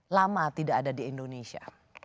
lama tidak ada di indonesia